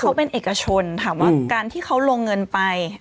เขาเป็นเอกชนถามว่าการที่เขาลงเงินไป